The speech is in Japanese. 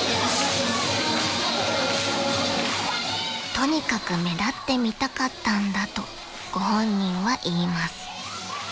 ［とにかく目立ってみたかったんだとご本人は言います］